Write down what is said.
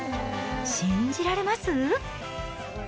信じられます？